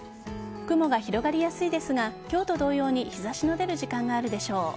雲が広がりやすいですが今日と同様に日差しの出る時間があるでしょう。